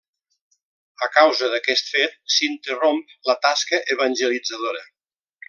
A causa d'aquest fet s'interromp la tasca evangelitzadora.